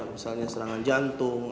misalnya serangan jantung